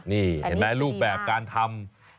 นี่เห็นไหมรูปแบบการทำ